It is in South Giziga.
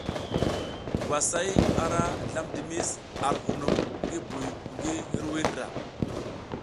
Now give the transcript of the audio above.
Ngwasay ara slam dimis ar hunum ngi buy ngi hirwuiy ndra.